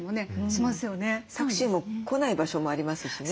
タクシーも来ない場所もありますしね。